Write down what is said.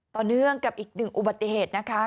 ต่อเนื่องกับอีกหนึ่งอุบัติเหตุนะคะ